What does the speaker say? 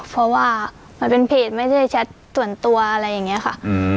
เพราะว่ามันเป็นเพจไม่ได้แชทส่วนตัวอะไรอย่างนี้ค่ะ